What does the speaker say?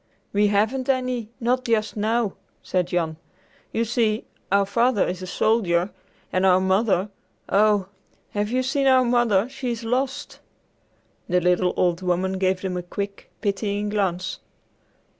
"We haven't any, not just now," said Jan. "You see our father is a soldier, and our mother, oh, have you seen our mother? She's lost!" The little old woman gave them a quick, pitying glance.